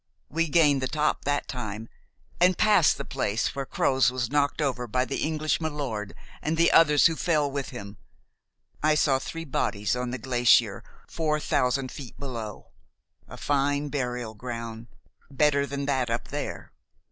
We gained the top that time, and passed the place where Croz was knocked over by the English milord and the others who fell with him. I saw three bodies on the glacier four thousand feet below, a fine burial ground, better than that up there."